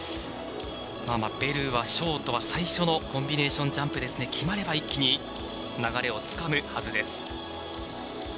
ベルはショートは最初のコンビネーションジャンプ決まれば一気に流れをつかむはずです。